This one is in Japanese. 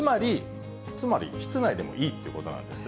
つまり、室内でもいいってことなんです。